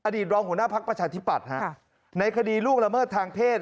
รองหัวหน้าภักดิ์ประชาธิปัตย์ในคดีล่วงละเมิดทางเพศ